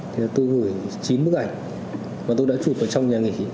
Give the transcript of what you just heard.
tôi gửi chín bức ảnh mà tôi đã chụp ở trong nhà nghỉ